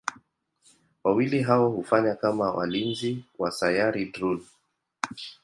Wawili hao hufanya kama walinzi wa Sayari Drool.